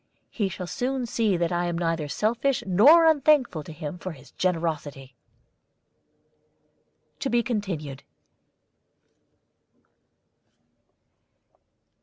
He shall soon see that I am neither selfish nor unthankful to him for his generosity." [TO BE CONTINUED.